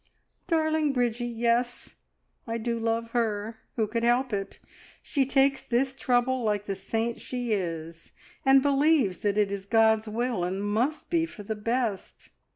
"Darling Bridgie yes, I do love her. Who could help it? She takes this trouble like the saint she is, and believes that it is God's will, and must be for the best.